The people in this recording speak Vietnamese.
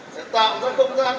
sẽ tạo ra không gian đổi mới